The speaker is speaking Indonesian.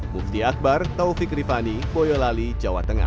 mufti akbar taufik rifani boyolali jawa tengah